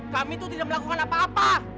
kami itu tidak melakukan apa apa